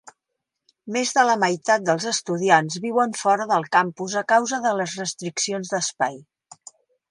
Més de la meitat dels estudiants viuen fora del campus a causa de les restriccions d'espai.